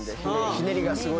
ひねりがすごい。